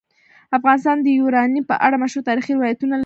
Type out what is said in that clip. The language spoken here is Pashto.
افغانستان د یورانیم په اړه مشهور تاریخی روایتونه لري.